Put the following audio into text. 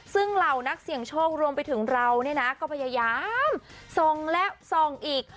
ซึ่งเรานักเสียงโชครวมไปถึงเราก็พยายามส่องแล้วส่องอีก